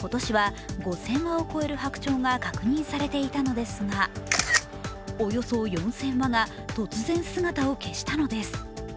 今年は５０００羽を超える白鳥が確認されていたのですが、およそ４０００羽が突然姿を消したのです。